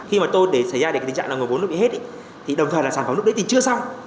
khi mà tôi để xảy ra thì cái tình trạng là nguồn vốn nó bị hết thì đồng thời là sản phẩm lúc đấy thì chưa xong